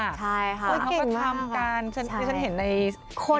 ใช่ค่ะเขาก็ทำการที่ฉันเห็นในอินสตาแกรม